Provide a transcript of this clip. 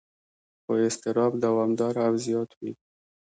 خو اضطراب دوامداره او زیات وي.